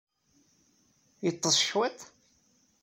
Yeḍḍes cwiṭ?